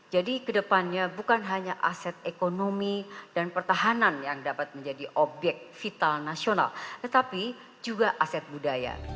jadi kedepannya bukan hanya aset ekonomi dan pertahanan yang dapat menjadi objek vital nasional tetapi juga aset budaya